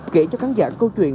kể cho khán giả câu chuyện